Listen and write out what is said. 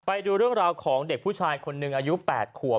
ไปดูเรื่องราวของเด็กผู้ชายคนหนึ่งอายุ๘ขวบ